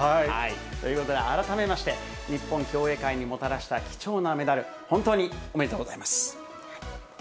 ということで、改めまして、日本競泳界にもたらした貴重なメダル、本当におめでとうございます。